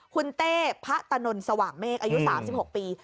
คุณเต้พะตะนนสว่างเมฆอายุ๓๖ปี